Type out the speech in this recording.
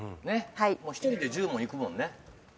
もう１人で１０問いくもんね。